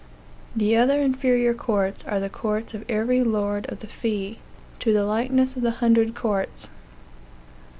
The other inferior courts are the courts of every lord of the fee, to the likeness of the hundred courts.